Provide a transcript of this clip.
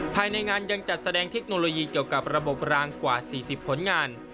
ภายในงานยังจัดแสดงเทคโนโลยีเกี่ยวกับระบบรางกว่า๔๐ผลงาน